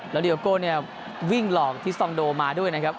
แล้วเดียโกะลูซาโต้มงลงที่๒โดนมาด้วยนะครับ